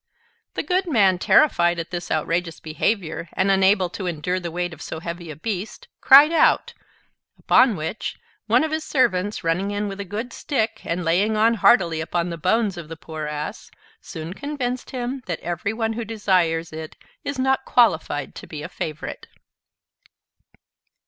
The good man, terrified at this outrageous behavior, and unable to endure the weight of so heavy a beast, cried out; upon which, one of his servants running in with a good stick, and laying on heartily upon the bones of the poor Ass, soon convinced him that every one who desires it is not qualified to be a favorite.